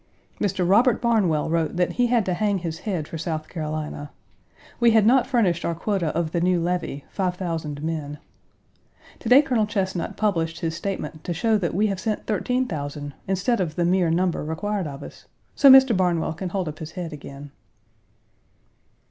Mr. Robert Barnwell wrote that he had to hang his Page 161 head for South Carolina. We had not furnished our quota of the new levy, five thousand men. To day Colonel Chesnut published his statement to show that we have sent thirteen thousand, instead of the mere number required of us; so Mr. Barnwell can hold up his head again.